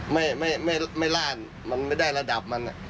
ไม่ล่านมันไม่ได้ระดับ